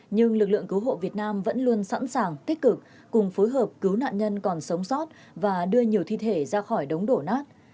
nhưng lực lượng cứu hộ việt nam vẫn luôn sẵn sàng tích cực cùng phối hợp cứu nạn nhân còn sống sót và đưa nhiều thi thể ra khỏi đống đổ nát